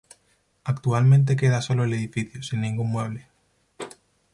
Actualmente queda sólo el edificio, sin ningún mueble.